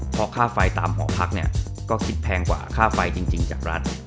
เพราะค่าไฟตามหอพักเนี่ยก็คิดแพงกว่าค่าไฟจริงจากรัฐ